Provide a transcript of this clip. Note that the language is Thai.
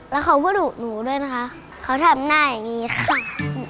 แล้วเขาก็ดุหนูด้วยนะคะเขาทำหน้าอย่างนี้ค่ะ